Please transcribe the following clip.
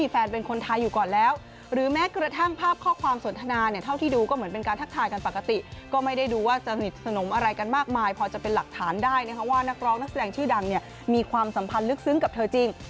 เพราะแสลงชื่อดังมีความสัมพันธ์ลึกซึ้งกับเธอจริง